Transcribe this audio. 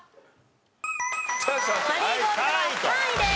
マリーゴールドは３位です。